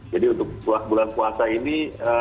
jadi untuk bulan puasa ini